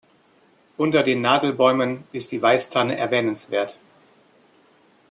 Unter den Nadelbäumen ist die Weißtanne erwähnenswert.